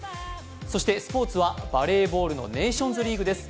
そしてスポーツはバレーボールのネーションズリーグです。